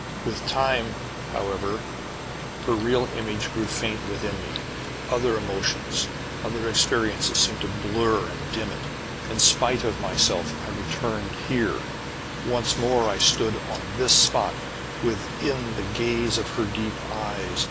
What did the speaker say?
"With time, however, her real image grew faint within me. Other emotions, other experiences seemed to blur and dim it. In spite of myself, I returned here. Once more I stood on this spot, within the gaze of her deep eyes.